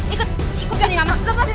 ikut ikut aja nih mama